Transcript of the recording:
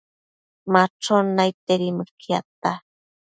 Machon naidtedi mëquiadta